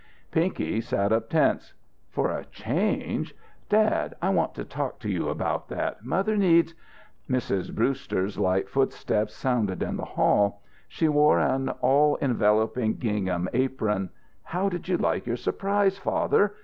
Pinky sat up, tense. "For a change? Dad, I want to talk to you about that. Mother needs " Mrs. Brewster's light footstep sounded in the hall. She wore an all enveloping gingham apron. "How did you like your surprise, father?"